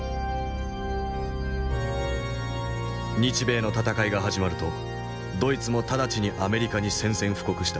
日米の戦いが始まるとドイツも直ちにアメリカに宣戦布告した。